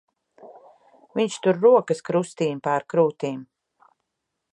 Viņš tur rokas krustīm pār krūtīm.